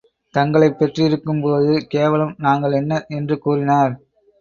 தங்களைப் பெற்றிருக்கும் போது கேவலம் நாங்கள் என்ன? என்று கூறினார்.